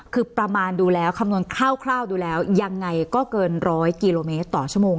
คือประมาณดูแล้วคำนวณคร่าวดูแล้วยังไงก็เกินร้อยกิโลเมตรต่อชั่วโมง